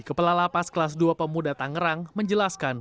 kepala lapas kelas dua pemuda tangerang menjelaskan